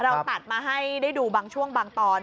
เราตัดมาให้ได้ดูบางช่วงบางตอน